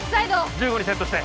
１５にセットして！